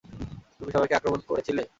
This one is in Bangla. তুমি সবাইকে আক্রমণ করেছিলে।